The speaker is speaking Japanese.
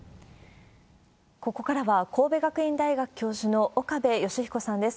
ここからは神戸学院大学教授の岡部芳彦さんです。